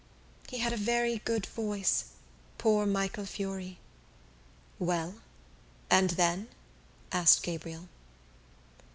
He had a very good voice, poor Michael Furey." "Well; and then?" asked Gabriel.